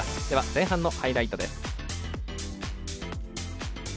前半のハイライトです。